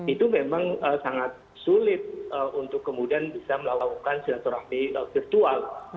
itu memang sangat sulit untuk kemudian bisa melakukan silaturahmi virtual